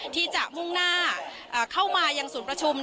ที่จะมุ่งหน้าเข้ามายังศูนย์ประชุม